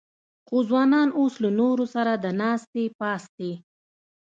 خو ځوانان اوس له نورو سره د ناستې پاستې